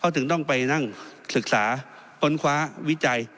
ถึงต้องไปนั่งศึกษาค้นคว้าวิจัย